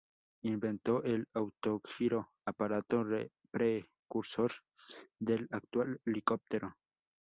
Inventó el autogiro, aparato precursor del actual helicóptero.